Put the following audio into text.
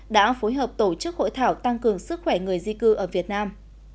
đã phối hợp tổ chức hội thảo tăng cường sức khỏe người di cư ở việt nam